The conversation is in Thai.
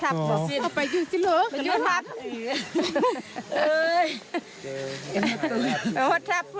ถือป่าทินไม่ได้หายไปหอยเถอะรัก